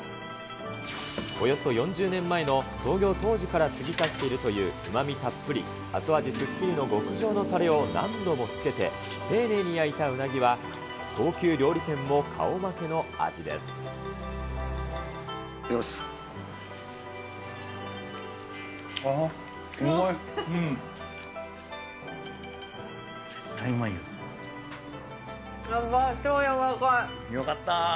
およそ４０年前の創業当時から継ぎ足しているという、うまみたっぷり、後味すっきりの極上のたれを何度もつけて、丁寧に焼いたうなぎは、いただきます。